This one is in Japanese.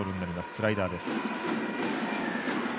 スライダーです。